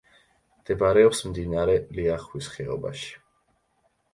მდებარეობს მდინარე ლიახვის ხეობაში.